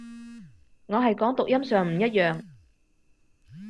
我係講讀音上唔一樣